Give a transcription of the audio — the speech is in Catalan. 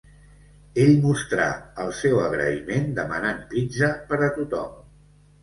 Ell mostrà el seu agraïment demanant pizza per a tothom.